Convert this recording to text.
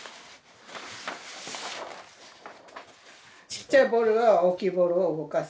ちっちゃいボールが大きいボールを動かす。